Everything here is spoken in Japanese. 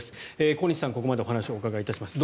小西さん、ここまでお話を伺いました。